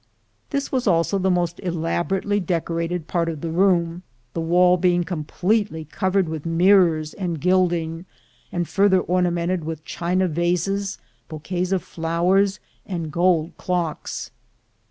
This was also the most elaborately deco rated part of the room, the wall being completely covered with mirrors and gilding, and further orna mented with china vases, bouquets of flowers, and gold clocks.